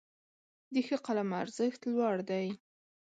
د ښه قلم ارزښت لوړ دی.